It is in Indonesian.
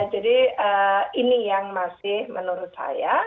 jadi ini yang masih menurut saya